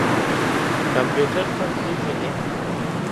کمپيوټر مخ پېژني.